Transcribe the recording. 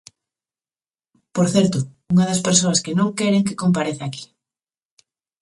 Por certo, unha das persoas que non queren que compareza aquí.